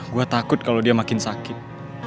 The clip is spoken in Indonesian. gue takut kalau dia makin sakit